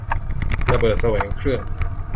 ระเบิดแสวงเครื่อง